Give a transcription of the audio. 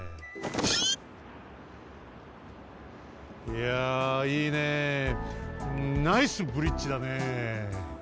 いやいいねえナイスブリッジだねえ。